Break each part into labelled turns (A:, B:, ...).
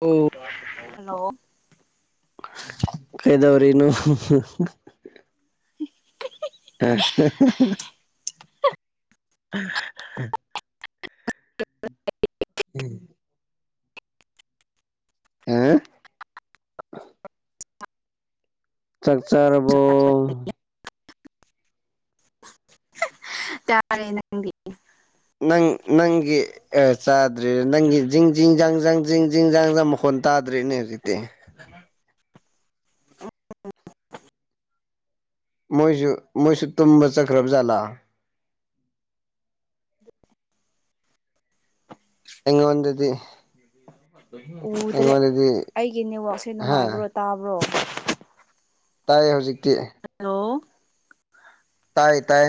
A: ꯑꯣ
B: ꯍꯜꯂꯣ
A: ꯀꯩꯗꯧꯔꯤꯅꯣ
B: [unintelligible]
A: ꯍ [unintelligible] ꯎꯝ ꯍꯥ ꯆꯥꯛꯆꯆꯥꯔꯕꯣ
B: ꯇꯔ ꯅꯪꯗꯤ
A: ꯅꯪ ꯅꯪꯒꯤ ꯑꯦ ꯆꯥꯗ꯭ꯔꯔꯤ ꯅꯪ ꯖꯤꯡ ꯖꯤꯡ ꯖꯪ ꯖꯪ ꯖꯪ ꯖꯤꯡ ꯖꯪ ꯖꯪ ꯃꯈꯣꯟ ꯇꯥꯗ꯭ꯔꯦꯅꯦ ꯍꯧꯖꯤꯛꯇꯤ ꯎ ꯃꯣꯏꯁꯨ ꯃꯣꯏꯁꯨ ꯇꯨꯝꯕ ꯆꯠꯈ꯭ꯔꯕ ꯖꯥꯠꯂ ꯌꯦꯉꯣꯗꯗꯤ ꯑ
B: ꯎꯗ꯭ꯔꯦ ꯑꯩꯒꯤ ꯅꯦꯠꯋꯥꯛꯁꯦ
A: ꯍꯥ
B: ꯅꯨꯡꯉꯥꯏꯕ꯭ꯔꯣ ꯇꯥꯕ꯭ꯔꯣ
A: ꯇꯥꯏ ꯍꯧꯖꯤꯛꯇꯤ
B: ꯍꯜꯂꯣ
A: ꯇꯥꯏ ꯇꯥꯏ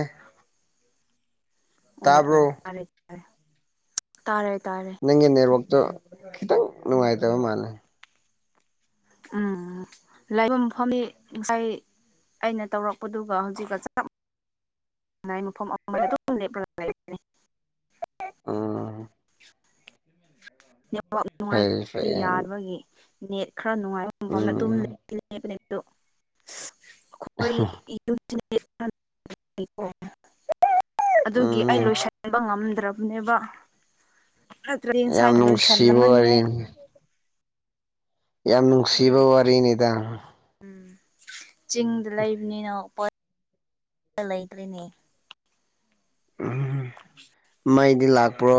B: ꯑꯣ
A: ꯇꯥ
B: ꯑꯣ ꯇꯥꯔꯦ ꯇꯔꯦ ꯇꯥꯔꯦ ꯇꯥꯔꯦ
A: ꯅꯪꯒꯤ ꯅꯦꯠꯋꯥꯛꯇꯣ ꯈꯤꯇꯪ ꯅꯨꯡꯉꯥꯏꯇꯕ ꯃꯥꯜꯂꯦ
B: ꯎꯝ ꯂꯥꯏꯐꯝ ꯃꯐꯝꯅꯤ ꯑꯩꯥꯏ ꯑꯩꯅ ꯇꯧꯔꯛꯄꯗꯨꯒ ꯍꯧꯖꯤꯛꯀ ꯆꯞ ꯥꯏ ꯃꯐꯝ ꯑꯃꯍꯗꯞ ꯂꯩ
A: ꯎꯝ
B: ꯅꯦꯠꯋꯥꯛ
A: ꯐꯩ
B: ꯅꯨꯡꯉꯥꯏꯇꯕꯗꯤ
A: ꯐꯩ
B: ꯌꯥꯕꯒꯤ ꯅꯦꯠ ꯈꯔ ꯅꯨꯡꯉꯥꯏ ꯑꯗꯨꯝ
A: ꯎꯝ
B: ꯂꯩ ꯕ ꯑꯩꯈꯣꯏ ꯌꯨꯝ ꯑꯗꯨꯒꯤ
A: ꯎꯝ
B: ꯑꯩ ꯂꯣꯏꯁꯤꯟꯕ ꯉꯝꯗ꯭ꯔꯕ ꯅꯦꯕ ꯈꯔ ꯇꯔꯦꯟ
A: ꯌꯥꯝ
B: ꯁ꯭ꯋꯥꯏꯗ
A: ꯅꯨꯡꯁꯤꯕ
B: ꯂꯣꯏꯁꯜꯂꯒꯅꯤ
A: ꯋꯥꯔꯤꯅꯤ ꯌꯥꯝ ꯅꯨꯡꯁꯤꯕ ꯋꯥꯔꯤꯅꯤꯗ
B: ꯎꯝ ꯆꯤꯡꯗ ꯂꯩꯕꯅꯤꯅ ꯄ ꯂꯩꯇ꯭ꯔꯤꯅꯦ
A: ꯎꯝ ꯃꯩꯗꯤ ꯂꯥꯛꯄ꯭ꯔꯣ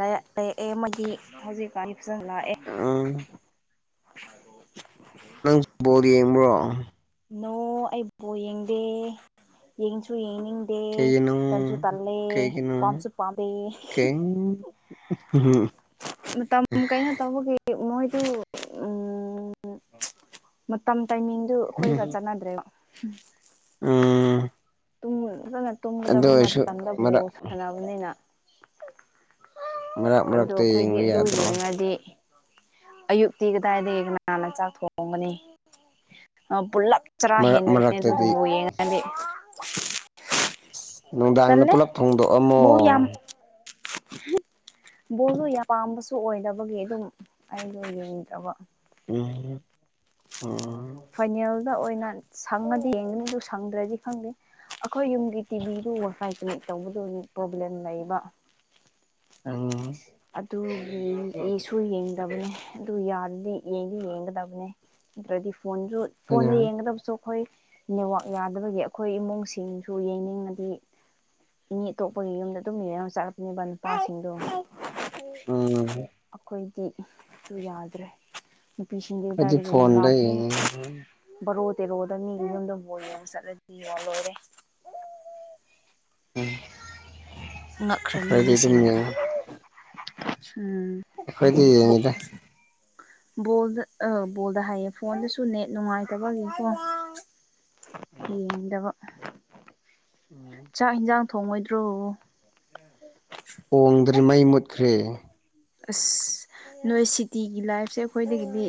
B: ꯂꯔꯑꯦ ꯑꯃꯗꯤ ꯍꯧꯖꯤꯛꯀꯥꯟꯗꯤ ꯐꯖꯅ ꯂꯥꯛꯑꯦ
A: ꯑꯥ
B: ꯑ ꯔꯣꯖ
A: ꯅꯪ ꯕꯣꯣꯔ ꯌꯦꯡꯕ꯭ꯔꯣ
B: ꯅꯣ ꯑꯩꯕ ꯌꯦꯡꯗꯦ ꯌꯦꯡꯅꯤꯡꯁꯨ ꯌꯦꯡꯅꯤꯡꯗꯦ
A: ꯀꯩꯒꯤꯅꯣ
B: ꯇꯟꯁꯨ ꯇꯜꯂꯦ ꯄꯥꯝꯁꯨ ꯄꯥꯝꯃꯦ
A: ꯎꯝ ꯎ
B: ꯇꯝ ꯀꯩꯅꯅ ꯇꯧꯕꯒꯤ ꯃꯣꯏꯗꯨ ꯃꯇꯝ ꯇꯥꯏꯃꯤꯡ ꯑꯗꯨ ꯑꯩꯈꯣꯏꯒ ꯆꯠꯅꯗ꯭ꯔꯦꯕ
A: ꯑ
B: ꯐꯖꯅ ꯇꯨꯝꯒꯗꯕ ꯃꯇꯝꯗꯕꯨ
A: ꯃꯔꯛ
B: ꯁꯥꯟꯅꯕꯅꯤꯅ
A: ꯃꯔꯛ
B: ꯑ
A: ꯃꯔꯛꯇ
B: ꯑꯩꯈꯣꯏꯗꯤ
A: ꯌꯦꯡꯕ
B: ꯑꯗꯨ
A: ꯌꯥꯗ꯭ꯔꯣ
B: ꯌꯦꯡꯉꯗꯤ ꯑꯌꯨꯛꯇꯤ ꯀꯗꯥꯏꯗ ꯉꯟꯅ ꯆꯥꯛ ꯊꯣꯡꯒꯅꯤ ꯄꯨꯂꯞ ꯆꯔꯥ
A: ꯃꯔꯛ
B: ꯍꯦꯟꯗꯣꯏꯅꯤꯅꯦ
A: ꯃꯔꯛꯇꯗꯤ
B: ꯑꯗꯨꯗꯨꯕꯨ ꯌꯦꯡꯉꯗꯤ
A: ꯑ
B: ꯇꯜꯂꯦ ꯕꯣꯜ ꯌꯥꯝ ꯕꯣꯜꯗꯣ ꯌꯥꯝ ꯄꯥꯝꯕꯁꯨ ꯑꯣꯏꯗꯕꯒꯤ ꯑꯗꯨꯝ ꯑꯩꯗꯣ ꯌꯦꯡꯗ꯭ꯔꯕ
A: ꯎꯝ ꯎꯝ
B: ꯐꯥꯏꯅꯦꯜꯗ ꯑꯣꯏꯅ ꯁꯪꯉꯗꯤ ꯌꯦꯡꯒꯅꯤ ꯑꯗꯨ ꯁꯪꯗ꯭ꯔꯗꯤ ꯈꯪꯗꯦ ꯑꯩꯈꯣꯏ ꯌꯨꯝꯒꯤ ꯇꯤꯚꯤꯗꯨ ꯋꯥꯏꯐꯥꯏ ꯀꯅꯦꯛ ꯇꯧꯕꯗꯨ ꯄ꯭ꯔꯣꯕ꯭ꯂꯦꯝ ꯂꯩꯕ
A: ꯑꯝ
B: ꯑꯗꯨꯒꯤꯁꯨ ꯌꯦꯡꯗꯕꯅꯦ ꯑꯗꯨ ꯌꯥꯗꯗꯤ ꯌꯦꯡꯗꯤ ꯌꯦꯡꯒꯗꯕꯅꯦ ꯅꯠꯇ꯭ꯔꯗꯤ ꯐꯣꯟꯁꯨ ꯐꯣꯟꯗ ꯌꯦꯡꯒꯗꯕꯁꯨ ꯑꯩꯈꯣꯏ ꯅꯦꯠꯋꯥꯛ ꯌꯥꯗꯕꯒꯤ ꯑꯩꯈꯣꯏ ꯏꯃꯨꯡꯁꯤꯡꯁꯨ ꯌꯦꯡꯅꯤꯡꯉꯗꯤ ꯃꯤ ꯑꯇꯣꯞꯄꯒꯤ ꯌꯨꯝꯗ ꯑꯗꯨꯝ ꯌꯦꯔꯒ ꯆꯥꯂꯛꯄꯅꯦꯕ ꯅꯨꯄꯥꯁꯤꯡꯗꯣ
A: ꯎꯝ
B: ꯑꯩꯈꯣꯏꯗꯤ ꯁꯨ ꯌꯥꯗ꯭ꯔꯦ ꯄ ꯁꯤꯟꯁꯤꯡꯒꯤ
A: ꯑꯩꯗꯤ
B: ꯇꯥꯗꯤ ꯀꯩꯅ
A: ꯐꯣꯟꯗ
B: ꯑ
A: ꯌꯦꯡꯉꯤ
B: ꯕꯣꯔꯣ ꯇꯦꯔꯣꯗ ꯃꯤꯒꯤ ꯌꯗ ꯍ ꯌꯦꯡꯉ ꯆꯠꯂꯗꯤ ꯌꯦꯉ ꯂꯣꯏꯔꯦ
A: ꯎ
B: ꯉꯛꯈ꯭ꯔꯅꯤ ꯃꯤꯁꯤꯡꯅ ꯎꯝ
A: ꯑꯩꯈꯣꯏꯗꯤ ꯌꯦꯡꯉꯗ
B: ꯕꯣꯜꯗ ꯕꯣꯜꯗ ꯍꯥꯏꯌꯦ ꯐꯣꯟꯗꯁꯨ ꯅꯦꯠ ꯅꯨꯡꯉꯥꯏꯇꯕꯒꯤꯀꯣ ꯍꯗ ꯋꯥ
A: ꯎꯝ
B: ꯆꯥꯛ ꯌꯦꯟꯁꯥꯡ ꯊꯣꯡꯉꯣꯏꯗ꯭ꯔꯣ
A: ꯍꯣꯡꯗ꯭ꯔꯤꯉꯩ ꯃꯨꯠꯈ꯭ꯔꯦ
B: ꯑꯁ ꯅꯣꯏ ꯁꯤꯇꯤꯒꯤ ꯂꯥꯏꯐꯁꯦ ꯑꯩꯈꯣꯏꯗꯒꯤꯗꯤ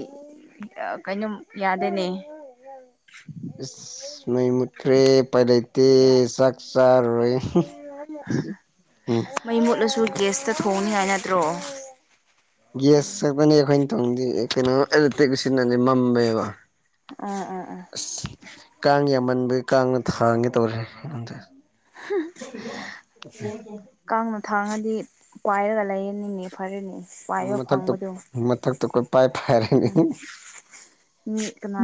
B: ꯀꯩꯅꯨꯝ ꯌꯥꯗꯦꯅꯦ
A: ꯃꯩ ꯃꯨꯠꯈ꯭ꯔꯦ ꯄꯥꯏꯂꯩ ꯇꯦ ꯆꯥꯛ ꯆꯥꯔꯔꯣꯢ
B: ꯃꯩ ꯃꯨꯠꯂꯁꯨ ꯒꯦꯁꯇ ꯊꯣꯡꯅꯤ ꯍꯥꯏꯅꯠꯇ꯭ꯔꯣ
A: ꯒ꯭ꯌꯥꯁ ꯁꯛꯄꯅꯤ ꯑꯩꯈꯣꯏꯅ ꯇꯣꯡꯗꯤ ꯀꯩꯅꯣ ꯑꯦꯂꯦꯛꯇ꯭ꯔꯤꯛ ꯁꯤꯟ ꯑꯗꯤ ꯃꯝꯃꯦꯕ
B: ꯎꯝ ꯎꯝ ꯎꯝ
A: ꯑꯁ ꯀꯥꯡ ꯌꯥꯝꯃꯟꯕꯒꯤ ꯀꯥꯡꯅ ꯊꯥꯡꯒꯦ ꯇꯧꯔꯦ [inaudible]
B: ꯀꯥꯡꯅ ꯊꯥꯡꯉꯗꯤ ꯄꯥꯏꯔꯒ ꯂꯩꯔꯅꯤꯡꯉ ꯐꯔꯅꯤ
A: ꯃꯊꯛꯇ ꯃꯊꯛꯇ ꯄꯥꯏꯔꯅꯤ
B: ꯎꯝ ꯃꯤ ꯀꯅꯥ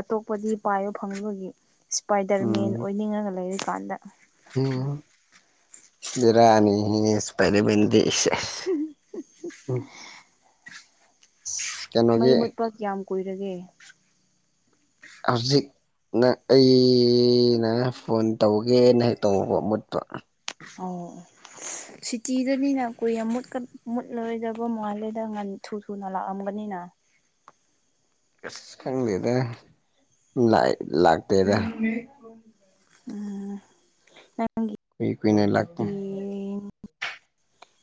B: ꯑꯇꯣꯞꯄꯗꯤ ꯄꯥꯏꯌꯣ ꯐꯪꯕꯒꯤ ꯁ꯭ꯄꯥꯏꯗꯔ ꯃꯦꯟ ꯑꯣꯏꯅꯤꯡꯉꯒ ꯂꯩꯔꯤꯀꯥꯟꯗ
A: ꯎ ꯕꯤꯔꯥꯅꯤꯍꯦ ꯁꯄꯥꯢꯗꯔꯃꯦꯟꯗꯤ ꯎꯝ
B: ꯃꯩ
A: ꯀꯩꯅꯣꯒꯤ
B: ꯃꯨꯠꯄ ꯀꯌꯥꯝ ꯀꯨꯏꯔꯒꯦ
A: ꯍꯧꯖꯤꯛ ꯅꯪ ꯑꯩꯩꯅ ꯐꯣꯟ ꯇꯧꯒꯦꯅ ꯍꯦꯛ ꯇꯧꯕ ꯃꯨꯠꯄ
B: ꯑꯣ ꯁꯤꯇꯤꯗꯅꯤꯅ ꯀꯨꯏꯅ ꯃꯨꯠꯀꯟ ꯃꯨꯠꯂꯣꯏꯗꯕ ꯃꯥꯜꯂꯦꯗ ꯉꯥꯟ ꯊꯨ ꯊꯨꯅ ꯂꯥꯛꯑꯝꯒꯅꯤꯅ
A: ꯑꯁ ꯈꯪꯗꯦꯗ ꯂꯥꯠ ꯂꯥꯛꯇꯦꯗ
B: ꯎꯝ [unintelligible]
A: ꯀꯨꯏ ꯀꯨꯏꯅ ꯂꯥꯛꯇꯦ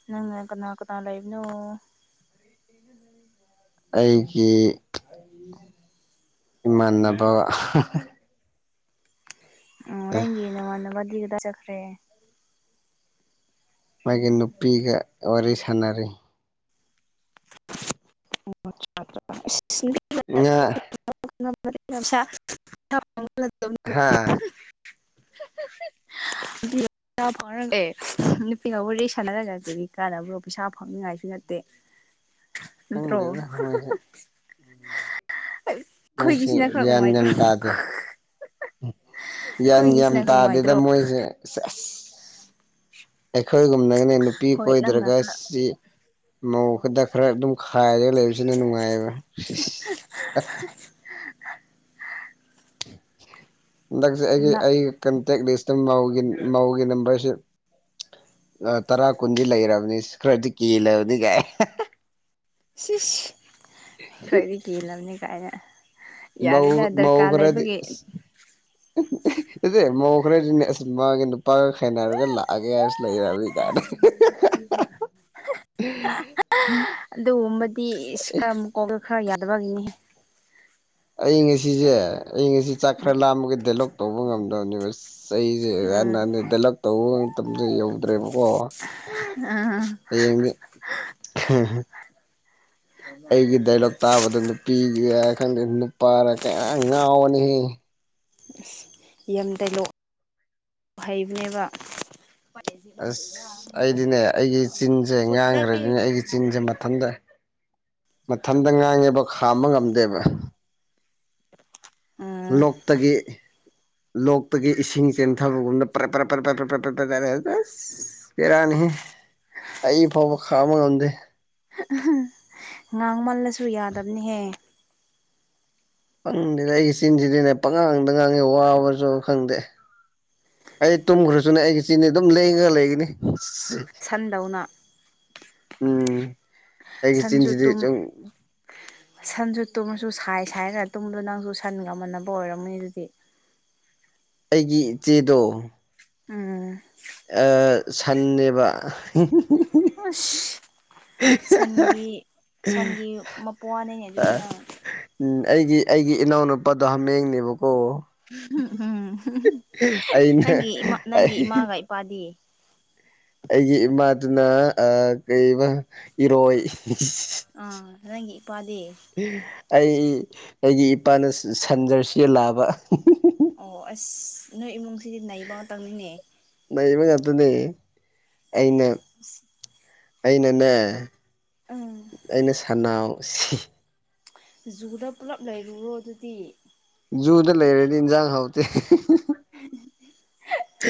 B: ꯅꯪꯅ ꯀꯅꯥ ꯀꯅꯥ ꯂꯩꯕꯅꯣ
A: [inaudible] ꯑꯩꯒꯤ ꯏꯃꯥꯟꯅꯕ
B: ꯅꯪꯒꯤ ꯅꯃꯥꯟꯅꯕꯗꯤ ꯀꯔꯥꯢ ꯆꯠꯈ꯭ꯔꯦ
A: ꯃꯥꯒꯤ ꯅꯨꯄꯤꯒ ꯋꯥꯔꯤ ꯁꯥꯟꯅꯔꯤ
B: [inaudible]
A: ꯏꯉꯥ
B: ꯀꯔꯤꯅꯣꯃꯦ ꯐꯖꯅꯥ ꯉꯪꯀꯨꯅꯦ ꯐꯒꯤꯔꯣ ꯁꯤꯕꯨ [inaudible]
A: ꯍꯥꯥ
B: ꯍꯥ [inaudible] ꯄꯩꯁꯥ ꯐꯥꯎꯅꯒꯦ ꯅꯨꯄꯤꯒꯕꯨ ꯔꯦ ꯁꯥꯟꯅꯔꯒ ꯀꯗꯤ ꯀꯥꯟꯅꯕ꯭ꯔꯣ ꯄꯩꯁꯥ ꯐꯥꯎꯅꯤꯡꯉꯥꯏꯁꯨ ꯅꯠꯇꯦ ꯅꯠꯇ꯭ꯔꯣ
A: ꯈꯪꯗꯦꯗ ꯃꯣꯏꯁꯦ
B: ꯍꯥꯍꯥ
A: ꯃꯣꯏꯁꯦ
B: ꯑꯩꯈꯣꯏꯒꯤꯁꯤꯅ ꯈꯔ ꯅꯨꯡꯉꯥꯏꯇ꯭ꯔꯣ
A: ꯌꯥꯟ ꯌꯥꯝ
B: ꯑꯩꯈꯣꯏꯒꯤꯁꯤꯅ ꯈꯔ
A: ꯇꯥꯗꯦꯗ
B: ꯅꯨꯡꯉꯥꯏꯇ꯭ꯔꯣ
A: ꯃꯣꯏꯁꯦ ꯁꯦꯁ ꯑꯩꯈꯣꯏꯒꯨꯝꯅꯒꯅꯦ ꯅꯨꯄꯤ
B: ꯍꯣꯏ ꯅꯪꯅ
A: ꯀꯣꯏꯗ꯭ꯔꯒ
B: ꯈꯔ
A: ꯁꯤ ꯃꯧ ꯈꯗ ꯈꯔ ꯑꯗꯨꯝ ꯈꯥꯏꯔꯒ ꯂꯩꯕꯁꯤꯅ ꯅꯨꯡꯉꯥꯏꯑꯕ
B: ꯍꯥꯍꯥꯒ [inaudible]
A: ꯅꯪꯁꯦ ꯑꯩꯒꯤ ꯑꯩꯒꯤ ꯀꯟꯇꯦꯛ ꯂꯤꯁꯇꯒꯤ ꯃꯥꯎꯒꯤ ꯅꯝꯕꯔꯁꯤ ꯇꯔꯥ ꯀꯨꯟꯗꯤ ꯂꯩꯔꯕꯅꯤ ꯈꯔꯗꯤ ꯀꯦꯜꯂꯕꯅꯤ ꯀꯥꯏ
B: ꯁꯤꯁ ꯈꯔꯗꯤ ꯀꯦꯜꯂꯝꯅꯤ ꯀꯥꯏꯅ ꯌꯥꯔꯦꯗ
A: ꯃꯧ
B: ꯗꯔꯀꯥꯔ ꯂꯩꯕꯒꯤ
A: ꯑꯦ ꯃꯧ ꯈꯔꯗꯤꯅꯦ ꯑꯁ ꯃꯥꯒꯤ ꯅꯨꯄꯥꯒ ꯈꯥꯏꯅꯔꯒ ꯂꯥꯛꯑꯒꯦ ꯍꯥꯏꯔꯁ ꯂꯩꯔꯕꯤ ꯀꯥꯏꯅ
B: ꯑꯗꯨꯒꯨꯝꯕꯗꯤ ꯈꯔꯃꯨꯛ ꯃꯀꯣꯛꯇꯣ ꯈꯔ ꯌꯥꯗꯕ ꯑꯣꯏꯔꯝꯅꯤ
A: ꯑꯩ ꯉꯁꯤꯁꯦ ꯑꯩ ꯉꯁꯤ ꯆꯥꯛ ꯈꯔ ꯂꯥꯝꯃꯒ ꯗꯥꯏꯂꯣꯛ ꯇꯧꯕ ꯉꯝꯗꯕꯅꯤ ꯑꯩꯁꯦ
B: ꯎꯝ
A: ꯗꯥꯏꯂꯣꯛ ꯇꯧꯕ ꯃꯇꯝꯗꯣ ꯌꯧꯗ꯭ꯔꯦꯕꯀꯣ
B: ꯑꯥ
A: ꯍꯌꯦꯡꯗꯤ ꯑꯩꯒꯤ ꯗꯥꯏꯂꯣꯛ ꯇꯥꯕꯗ ꯅꯨꯄꯤꯒꯤ ꯈꯪꯗꯦ ꯅꯨꯄꯥꯔ ꯀꯌꯥ ꯉꯥꯎꯕꯅꯩꯍꯦ
B: ꯑꯁ ꯌꯥꯝ ꯗꯥꯏꯂꯣꯛ ꯍꯩꯕꯅꯦꯕ
A: ꯑꯁ ꯑꯩꯗꯤꯅꯦ ꯑꯩꯒꯤ ꯆꯤꯟꯁꯦ ꯉꯥꯡꯈ꯭ꯔꯗꯤꯅꯦ ꯑꯩꯒꯤ ꯆꯤꯟꯁꯦ ꯃꯊꯟꯇ ꯃꯊꯟꯇ ꯉꯥꯡꯉꯦꯕ ꯈꯥꯝꯕ ꯉꯝꯗꯦꯕ
B: [inaudible]
A: ꯂꯣꯛꯇꯒꯤ ꯂꯣꯛꯇꯒꯤ ꯏꯁꯤꯡ ꯆꯦꯟꯊꯕꯒꯨꯝꯅ ꯄꯔ ꯄ꯭ꯔ ꯄ꯭ꯔ ꯄ꯭ꯔ ꯄ꯭ꯔ ꯄ꯭ꯔ ꯄ꯭ꯔ ꯇꯥꯔꯦ ꯑꯁ ꯕꯦꯔꯅꯦꯍꯦ ꯑꯩ ꯐꯥꯎꯕ ꯈꯥꯝꯕ ꯉꯝꯗꯦ
B: ꯉꯥꯡꯃꯜꯂꯁꯨ ꯌꯥꯗꯕꯅꯤꯍꯦ
A: ꯈꯣꯗꯦꯗ ꯑꯩꯒꯤ ꯆꯤꯟꯁꯤꯗꯤꯅꯦ ꯄꯪꯉꯥꯡꯗ ꯉꯥꯡꯉꯦ ꯋꯥꯕꯁꯨꯕ ꯈꯪꯗꯦ ꯑꯩ ꯇꯨꯝꯈ꯭ꯔꯁꯨꯅꯦ ꯑꯩꯒꯤ ꯆꯤꯟꯗꯤ ꯑꯗꯨꯝ ꯂꯦꯡꯉꯒ ꯂꯩꯒꯅꯤ
B: ꯁꯟꯗꯧꯅ
A: ꯎꯝ ꯑꯩꯒꯤ
B: ꯁꯟꯁꯨ ꯇꯨꯝ
A: ꯆꯤꯟꯁꯤꯗꯤ ꯁꯨꯝ
B: ꯁꯟꯁꯨ ꯇꯨꯝꯃꯁꯨ ꯁꯥꯏ ꯁꯥꯏꯔꯒ ꯇꯨꯝꯕꯗꯣ ꯅꯪꯁꯨ ꯁꯟꯒ ꯃꯟꯅꯕ ꯑꯣꯏꯔꯝꯅꯤ ꯑꯗꯨꯗꯤ
A: ꯑꯩꯒꯤ ꯏꯆꯦꯗꯣ
B: ꯎꯝ
A: ꯁꯥꯟꯅꯦꯕ
B: ꯑꯁ ꯁꯟꯒꯤ ꯁꯟꯒꯤ ꯃꯄ꯭ꯋꯥꯅꯤ ꯑꯗꯨꯗꯨꯅ
A: ꯎꯝ ꯑꯩꯒꯤ ꯑꯩꯒꯤ ꯏꯅꯥꯎꯅꯨꯄꯥꯗꯣ ꯍꯥꯃꯦꯡꯅꯦꯕꯀꯣ
B: ꯎꯝ ꯎꯝ
A: ꯑꯩꯅ
B: ꯅꯪꯒꯤ ꯏꯃꯥ ꯅꯪꯒꯤ
A: ꯑꯩ
B: ꯏꯃꯥꯒ ꯏꯄꯥꯗꯤ
A: ꯑꯩꯒꯤ ꯏꯃꯥꯗꯨꯅ ꯀ ꯏꯔꯣꯏ
B: ꯑꯥ ꯔꯪꯒꯤ ꯏꯄꯥꯗꯦ
A: ꯎ ꯑꯩ ꯑꯩꯒꯤ ꯏꯄꯥꯅ ꯁꯟꯖꯔꯁꯤ ꯂꯥꯛꯑꯕ
B: ꯑꯣ ꯑꯁ ꯅꯣꯏ ꯏꯃꯨꯡꯁꯤꯗꯤ ꯅꯥꯩꯕ ꯉꯥꯛꯇꯪꯅꯤꯅꯦ
A: ꯅꯩꯕ ꯉꯥꯛꯇꯅꯦ ꯑꯩꯅ ꯑꯩꯅꯅꯦ
B: ꯎꯝ
A: ꯑꯩꯅ ꯁꯟꯅꯥꯎ ꯁꯤ
B: ꯖꯨꯗ ꯄꯨꯜꯂꯞ ꯂꯩꯔꯨꯔꯣ ꯑꯗꯨꯗꯤ
A: ꯖꯨꯗ ꯂꯩꯔꯗꯤ ꯏꯟꯁꯥꯡ ꯍꯥꯎꯇꯦ
B: [unintelligible]
A: [unintelligible]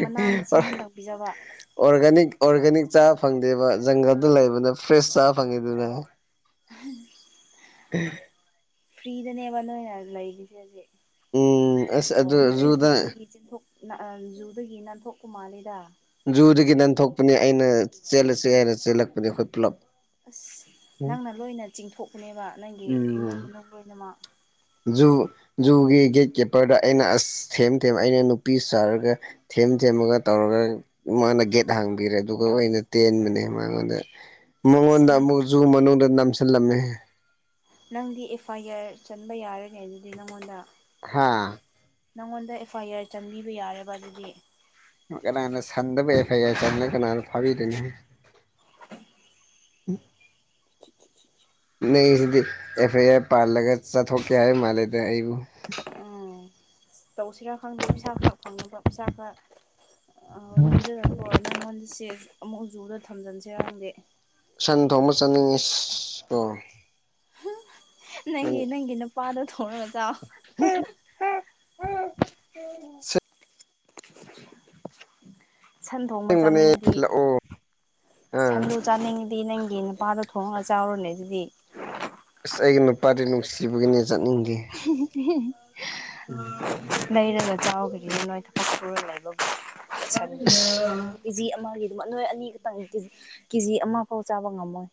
B: ꯃꯅꯥ ꯃꯁꯤꯡ ꯑꯃ ꯇꯥꯛꯄꯤꯖꯕ
A: ꯑꯣꯔꯒꯥꯅꯤꯛ ꯑꯣꯔꯒꯥꯅꯤꯛ ꯆꯥ ꯐꯪꯗꯦꯕ ꯖꯪꯒꯜꯗ ꯂꯩꯕꯅ ꯐ꯭ꯔꯦꯁ ꯆꯥ ꯐꯪꯉꯤꯗꯅ
B: [unintelligible]
A: ꯎꯝ
B: ꯐ꯭ꯔꯤꯗꯅꯦꯕ ꯅ ꯂꯩꯔꯤꯁꯦ ꯍꯧꯖꯤꯛ
A: ꯎ ꯑ ꯑꯗꯨꯖꯨꯗ
B: ꯃꯤ ꯊ ꯖꯨꯗꯒꯤ ꯅꯥꯟꯊꯣꯛꯀ ꯃꯥꯥꯂꯦꯗ
A: ꯖꯨꯗꯒꯤ ꯅꯟꯊꯣꯛꯄꯅꯤ ꯑꯩꯅ ꯆꯦꯜꯂꯁꯤ ꯑꯩꯅ ꯆꯦꯜꯂꯛꯄꯅꯤ ꯑꯩꯈꯣꯏ ꯄꯨꯜꯂꯞ
B: ꯑꯁ ꯅꯪꯅ ꯂꯣꯏꯅ ꯆꯤꯡꯊꯣꯛꯄꯅꯦꯕ ꯅꯪꯒꯤ
A: ꯎꯝ
B: ꯏꯃꯨꯡ ꯃꯅꯨꯡ ꯂꯣꯏꯅꯃꯛ
A: ꯖꯨ ꯖꯨꯒꯤ ꯒꯦꯠꯀꯤꯤꯞꯄꯔꯗ ꯑꯩꯅ ꯑꯁ ꯊꯦꯝ ꯊꯦꯝ ꯑꯩꯅ ꯅꯨꯄꯤ ꯁꯥꯔꯒ ꯊꯦꯝ ꯊꯦꯝꯃꯒ ꯇꯧꯔꯒ ꯃꯥꯅ ꯒꯦꯠ ꯍꯥꯡꯕꯤꯔꯦ ꯑꯗꯨꯒ ꯑꯣꯏꯅ ꯇꯦꯟꯕꯅꯦ ꯃꯥꯉꯣꯟꯗ
B: ꯑꯁ
A: ꯃꯉꯣꯟꯗ ꯑꯃꯨꯛ
B: ꯅꯪꯁꯦ
A: ꯖꯨ ꯃꯅꯨꯡꯗ ꯅꯝꯁꯤꯜꯂꯝꯃꯤ
B: ꯅꯪꯗꯤ ꯑꯦꯐ ꯑꯥꯏ ꯑꯥꯔ ꯆꯟꯕ ꯌꯥꯔꯅꯤ ꯑꯗꯨꯗꯤ ꯅꯪꯉꯣꯟꯗ
A: ꯍꯥꯥ
B: ꯅꯪꯉꯣꯟꯗ ꯑꯦꯐ ꯑꯥꯏ ꯑꯥꯔ ꯆꯟꯕꯤꯕ ꯌꯥꯔꯦꯕ ꯑꯗꯨꯗꯤ
A: ꯀꯅꯥꯅ ꯁꯥꯟꯗꯕ ꯑꯦꯐ ꯑꯥꯏ ꯑꯔ ꯁꯥꯟꯅ ꯀꯅꯥ ꯐꯥꯕꯤꯗꯍꯪ ꯅꯪꯁꯤꯗꯤ ꯑꯦꯐ ꯑꯥꯏ ꯑꯥꯔ ꯄꯥꯜꯂꯒ ꯆꯠꯊꯣꯛꯀꯦ ꯍꯥꯏꯕ ꯃꯥꯜꯂꯦꯗ ꯑꯩꯕꯨ
B: ꯎꯝ ꯇꯧꯁꯤꯔꯥ ꯈꯪꯗꯦ ꯄꯩꯁꯥ ꯈꯔ ꯐꯪꯅꯕ ꯄꯩꯁꯥ ꯈꯔ ꯅꯤꯔꯒꯀꯣ ꯅꯉꯜꯁꯦ ꯑꯃꯨꯛ ꯖꯨꯗ ꯊꯝꯖꯤꯟꯁꯦ ꯍꯪꯗꯦ
A: ꯁꯟ ꯊꯣꯡꯕ ꯆꯠꯅꯤꯡꯉ ꯑꯣ
B: ꯅꯪꯒꯤꯦ ꯅꯪꯒꯤꯦ ꯅ ꯄꯥꯗ ꯊꯅ ꯃꯖꯥ ꯁꯟ ꯊꯣꯡꯕ
A: ꯑꯁꯦꯡꯕꯅꯦ
B: ꯆꯥꯅꯤꯡꯉꯗꯤ
A: ꯂꯥꯛꯑꯣ ꯑꯥ
B: ꯁꯟꯗꯣ ꯆꯥꯅꯤꯡꯉꯗꯤ ꯅꯪꯒꯤ ꯅꯨꯄꯥꯗ ꯊꯣꯡꯉꯒ ꯆꯥꯎꯔꯨꯅꯦ ꯑꯗꯨꯗꯤ
A: ꯑꯁ ꯑꯩꯒꯤ ꯅꯨꯄꯥꯗꯤ ꯅꯨꯡꯁꯤꯕꯒꯤꯅꯦ ꯆꯠꯅꯤꯡꯗꯦ
B: [unintelligible]
A: ꯎꯝ
B: ꯂꯩꯔꯒ ꯆꯥꯎꯈꯅꯤꯅꯤ ꯅꯣꯏ ꯊꯕꯛ ꯁꯨꯔ ꯂꯩꯕꯕꯨ ꯁꯟꯗꯅ
A: ꯑꯁ
B: ꯀꯦꯖꯤ ꯑꯃꯒꯤ ꯑꯗꯨꯝꯅꯣꯏ ꯑꯅꯤꯈꯛꯇꯪ ꯀꯦꯖꯤ ꯀꯦ ꯖꯤ ꯑꯃ ꯐꯥꯎ ꯆꯥꯕ ꯉꯝꯃꯣꯏ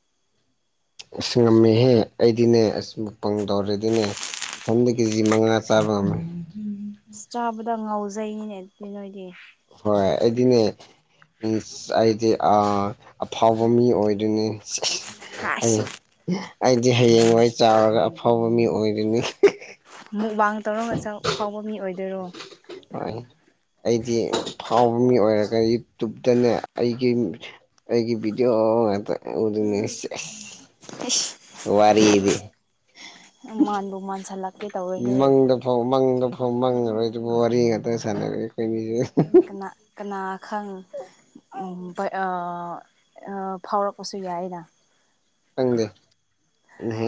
A: ꯑꯁ ꯉꯝꯃꯤꯍꯦ ꯑꯩꯗꯤꯅꯦ ꯑꯁꯕꯨ ꯄꯪ ꯇꯧꯔꯗꯤꯅꯦ ꯏꯊꯪꯗ ꯀꯦ ꯖꯤ ꯃꯉꯥ ꯆꯥꯕ ꯉꯝꯃꯦ
B: ꯆꯥꯕꯗ ꯉꯥꯎꯖꯩꯅꯦ ꯑꯗꯨꯗꯤ ꯅꯣꯏꯗꯤ
A: ꯍꯣꯏ ꯑꯦꯗꯤꯅꯦ ꯑꯩꯗꯤ ꯑꯐꯥꯎꯕ ꯃꯤ ꯑꯣꯏꯗꯣꯏꯅꯤ
B: ꯍꯥꯏꯁ
A: ꯍꯌꯦꯡ ꯑꯩꯗꯤ ꯍꯌꯦꯡꯋꯥꯏ ꯆꯥꯎꯔꯒ ꯑꯐꯥꯎꯕ ꯃꯤ ꯑꯣꯏꯗꯣꯏꯅꯤ
B: ꯃꯨꯛꯕꯥꯡ ꯇꯧꯔꯒ ꯆ ꯐꯥꯎꯕ ꯃꯤ ꯑꯣꯏꯗꯣꯏꯔꯣ
A: ꯍꯣꯏ ꯑꯩꯗꯤ ꯐꯥꯎꯕ ꯃꯤ ꯑꯣꯏꯔꯒ ꯌꯨꯇꯨꯞꯇꯅꯦ ꯑꯩꯒꯤ ꯑꯩꯒꯤ
B: ꯏꯁ
A: ꯄ ꯋꯥꯔꯤꯗꯤ
B: ꯃꯥꯟꯕꯕꯨ ꯃꯥꯟꯁꯤꯜꯂꯛ
A: ꯃꯪꯗ ꯐꯧ ꯃꯪꯗ ꯐꯧ ꯃꯪꯉꯔꯣꯏ ꯑꯗꯨꯕꯨ ꯋꯥꯔꯤ ꯉꯥꯛꯇ ꯁꯥꯟꯅꯔꯦ ꯑꯩꯈꯣꯏꯅꯤꯁꯦ
B: ꯀꯅꯥ ꯀꯅꯥ ꯈꯪ ꯐꯥꯎꯔꯛꯄꯁꯨ ꯌꯥꯏ ꯑꯅ
A: ꯊꯪꯗꯦ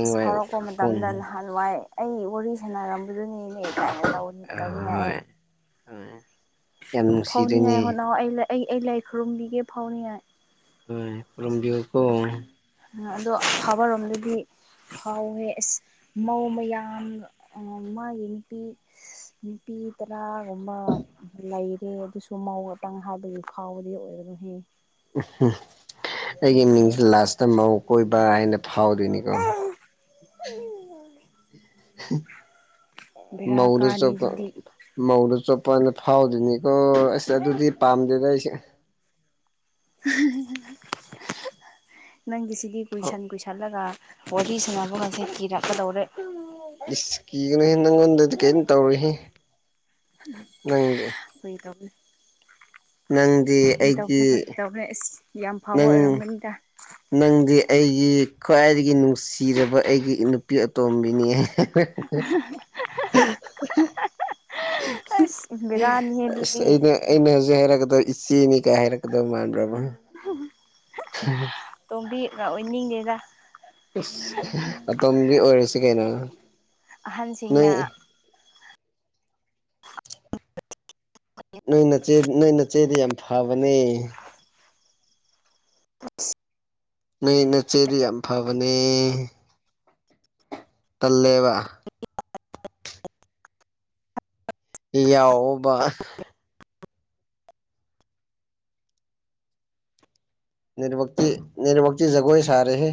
B: ꯏꯁꯐꯥꯎꯔꯛꯄ ꯃꯇꯝꯗ ꯂꯍꯥꯟ ꯌꯥꯝ ꯅꯨꯡꯉꯥꯏ ꯑꯩ ꯋꯥꯔꯤ ꯁꯥꯟꯅꯔꯝꯕꯗꯨꯅꯤꯅꯦ ꯀꯥꯏꯅ ꯇꯧ ꯇꯧꯅꯤꯡꯉꯥꯏ
A: ꯍꯣꯏ
B: ꯑꯩ
A: ꯑ ꯌꯥꯝ ꯅꯨꯡꯁꯤꯗꯣꯏꯅꯦ
B: ꯐꯥꯎꯅꯤꯉꯥꯏ ꯍꯣꯠꯅꯕ ꯑꯩ ꯑꯩ ꯑꯩ ꯂꯥꯏ ꯈꯨꯔꯨꯝꯕꯤꯒꯦ ꯐꯥꯎꯅꯤꯉꯥꯏ
A: ꯈꯨꯔꯨꯝꯕꯤꯍꯨ ꯀꯧꯕ
B: ꯑꯗꯣ ꯐꯥꯕꯔꯣꯝꯗꯗꯤ ꯍꯥꯎꯋꯦ ꯑꯁ ꯃꯧ ꯃꯌꯥꯝ ꯃꯥꯒꯤ ꯅꯨꯄꯤ ꯅꯨꯄꯤ ꯇꯔꯥꯒꯨꯝꯕ ꯂꯩꯔꯦ ꯑꯗꯨꯁꯨ ꯃꯧ ꯉꯥꯛꯇꯪ ꯍꯥꯏꯕꯒꯤ ꯐꯥꯎꯕꯗꯤ ꯑꯣꯏꯔꯔꯣꯏꯍ
A: ꯎꯝ ꯑꯩꯒꯤ ꯃꯤꯡꯁꯦ ꯂꯥꯁꯇ ꯃꯧ ꯀꯣꯏꯕ ꯍꯥꯏꯅ ꯐꯥꯎꯗꯣꯏꯅꯤꯀꯣ [inaudible] [unintelligible]
B: ꯕꯦꯔꯥ ꯀꯥꯅꯤ ꯑꯗꯨꯗꯤ
A: ꯃꯧꯗꯣ ꯆꯣꯠꯄꯅ ꯐꯥꯎꯗꯣꯏꯅꯤꯀꯣ ꯑꯁ ꯑꯗꯨꯗꯤ ꯄꯥꯝꯗꯦꯗ ꯑꯩꯁꯦ
B: ꯅꯪꯒꯤ ꯁꯤꯒꯤ ꯀꯨꯏꯁꯟ ꯀꯨꯏꯁꯜꯂꯒ ꯋꯥꯔꯤꯁꯤꯅꯕꯨ ꯉꯁꯦ ꯀꯤꯔꯛꯀꯗꯧꯔꯦ
A: ꯏꯁ ꯀꯤꯒꯅꯨꯍ ꯅꯪꯉꯣꯟꯗꯗꯤ ꯀꯔꯤꯝ ꯇꯧꯔꯤ ꯅꯪꯗꯤ
B: ꯐꯪ ꯇꯧꯅꯦ
A: ꯅꯪꯗꯤ
B: ꯐꯤ ꯇꯧꯕꯅꯦ
A: ꯑꯩꯒꯤ
B: ꯐꯪꯉ ꯇꯧꯕ꯭ꯔꯦ ꯑꯁ ꯌꯥꯝ ꯐꯥꯎꯕ
A: ꯅꯪ
B: ꯑꯣꯏꯔꯝꯒꯅꯤꯗ
A: ꯅꯪꯗꯤ ꯑꯩꯒꯤ ꯈ꯭ꯋꯥꯏꯗꯒꯤ ꯅꯨꯡꯁꯤꯔꯕ ꯑꯩꯒꯤ ꯅꯨꯄꯤ ꯑꯇꯣꯝꯕꯤꯅꯤ [unintelligible]
B: ꯁ ꯕꯤꯔꯥꯅꯤꯍꯦ ꯑꯗꯨꯗꯤ
A: ꯑꯩꯅ ꯑꯩꯅ ꯍꯧꯖꯤꯛ ꯍꯥꯏꯔꯛꯀꯗꯧ ꯏꯆꯦꯅꯤ ꯀꯥꯏ ꯍꯥꯏꯔꯛꯀꯗꯧ ꯃꯥꯟꯕ꯭ꯔꯕ
B: ꯇꯣꯝꯕꯤ ꯑꯣꯏꯅꯤꯡꯗꯦꯗ
A: ꯑꯁ ꯑꯇꯣꯝꯕꯤ ꯑꯣꯏꯔꯤꯁꯤ ꯀꯩꯅꯣ ꯅꯣꯏ
B: ꯑꯍꯟꯁꯤꯡꯅ
A: ꯅꯣꯏ ꯅꯣꯏꯅꯆꯦꯗꯤ ꯌꯥꯝ ꯐꯕꯅꯦ ꯅꯣꯏ ꯅꯆꯦꯗꯤ ꯌꯥꯝ ꯐꯕꯅꯦ ꯇꯜꯂꯦꯕ ꯌꯥꯎꯕ ꯅꯦꯠꯋꯥꯛꯇꯤ ꯅꯦꯠꯋꯥꯛꯇꯤ ꯖꯒꯣꯏ ꯁꯔꯦ ꯍꯦ